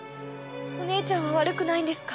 お姉ちゃんは悪くないんですか？